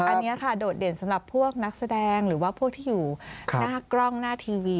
อันนี้ค่ะโดดเด่นสำหรับพวกนักแสดงหรือว่าพวกที่อยู่หน้ากล้องหน้าทีวี